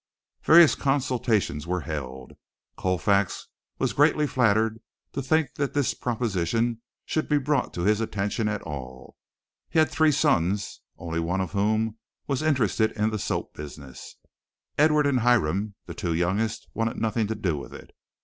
Various consultations were held. Colfax was greatly flattered to think that this proposition should be brought to his attention at all. He had three sons, only one of whom was interested in the soap business. Edward and Hiram, the two youngest, wanted nothing to do with it.